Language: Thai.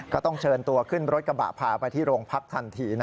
ก็ต้องเชิญตัวขึ้นรถกระบะพาไปที่โรงพักทันที